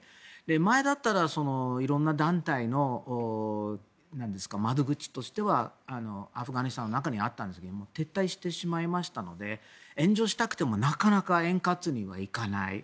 前だったら色んな団体の窓口としてはアフガニスタンの中にあったんですが撤退してしまいましたので援助したくてもなかなか円滑にはいかない。